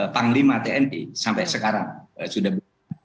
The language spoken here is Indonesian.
panglima tni sampai sekarang